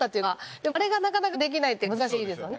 でもあれがなかなかできないっていうか難しいですよね。